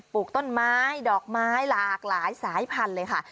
ปลูกต้นไม้ดอกไม้หลากหลายสายพันธุ์เลยค่ะ